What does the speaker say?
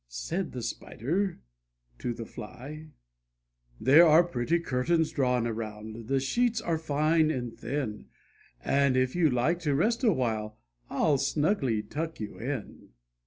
" said the Spider to the Fly, "There are pretty curtains drawn around, the sheets are fine and thin, And if you like to rest a while, I'll snugly tuck you in